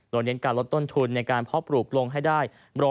โดยเน้นการลดต้นทุนในการเพาะปลูกลงให้ได้